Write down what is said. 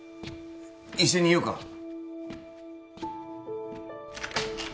一緒にいようか？